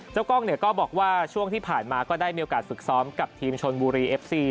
กล้องเนี่ยก็บอกว่าช่วงที่ผ่านมาก็ได้มีโอกาสฝึกซ้อมกับทีมชนบุรีเอฟซี